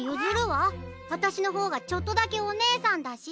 わたしのほうがちょっとだけおねえさんだし。